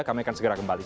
kami akan segera kembali